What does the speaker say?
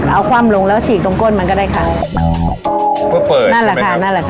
เอาความหลงแล้วฉีกตรงก้นมันก็ได้ค่ะก็เปิดใช่ไหมครับนั่นแหละค่ะ